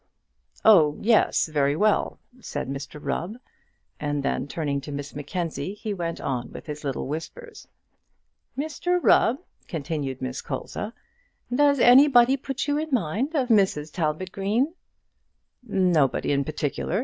"Oh yes, very well," said Mr Rubb, and then turning to Miss Mackenzie, he went on with his little whispers. "Mr Rubb," continued Miss Colza, "does anybody put you in mind of Mrs Talbot Green?" "Nobody in particular.